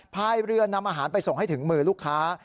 พายเรือนำอาหารไปส่งให้ถึงมือลูกค้า